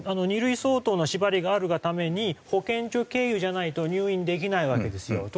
２類相当の縛りがあるがために保健所経由じゃないと入院できないわけですよ。